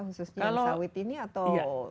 khususnya sawit ini atau